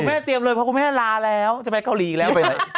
คุณแม่เตรียมเลยเพราะคุณแม่ลาแล้วจะไปเกาหลีอีกแล้ว